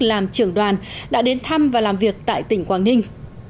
làm trưởng đoàn đã đến thăm và làm việc tại tỉnh quảng ninh